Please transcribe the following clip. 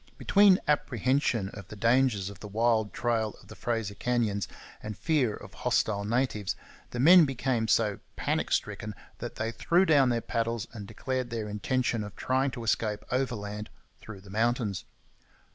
Between apprehension of the dangers of the wild trail of the Fraser canyons and fear of hostile natives, the men became so panic stricken that they threw down their paddles and declared their intention of trying to escape overland through the mountains.